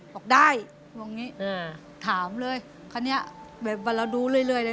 บอกได้บอกงี้อ่าถามเลยค่ะเนี้ยแบบว่าเราดูเรื่อยเรื่อยเลย